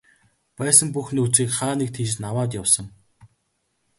Байсан бүх нөөцийг хаа нэг тийш нь аваад явсан.